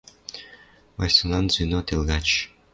Вайсонан звено тел гач